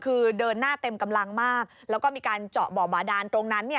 คือเดินหน้าเต็มกำลังมากแล้วก็มีการเจาะบ่อบาดานตรงนั้นเนี่ย